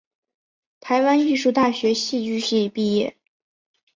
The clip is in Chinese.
台湾艺术大学戏剧系毕业。